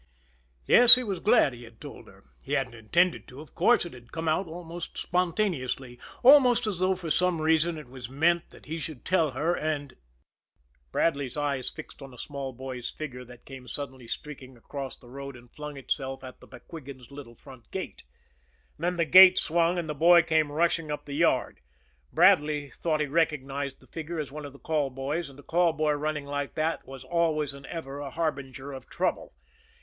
Yes; he was glad he had told her. He hadn't intended to, of course. It had come almost spontaneously, almost as though for some reason it was meant that he should tell her, and Bradley's eyes fixed on a small boy's figure that came suddenly streaking across the road and flung itself at the MacQuigans' little front gate; then the gate swung, and the boy came rushing up the yard. Bradley thought he recognized the figure as one of the call boys, and a call boy running like that was always and ever a harbinger of trouble.